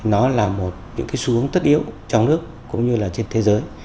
nó là một xu hướng tất yếu trong nước cũng như trên thế giới